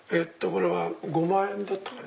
これは５万円だったかな。